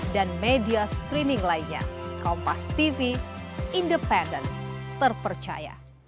dan media streaming lainnya kompas tv independen terpercaya